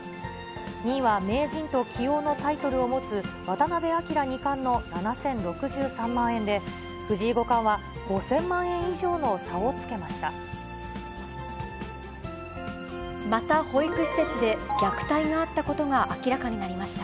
２位は名人と棋王のタイトルを持つ渡辺明二冠の７０６３万円で、藤井五冠は５０００万円以上の差をつけました。